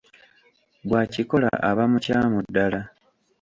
Bw'akikola aba mukyamu ddala!